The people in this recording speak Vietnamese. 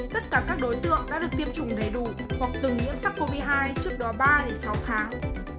tất cả các đối tượng đã được tiêm chủng đầy đủ hoặc từng nhiễm sắc covid hai trước đó ba đến sáu tháng